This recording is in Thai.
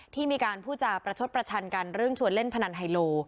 ที่มีการพูดจาประชดประชันกันเรื่องชวนเล่นพนันไฮโล